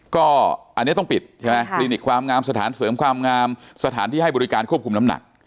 ก็อันนี้ต้องปิดใช่ไหมคลินิกความงามสถานเสริมความงามสถานที่ให้บริการควบคุมน้ำหนัก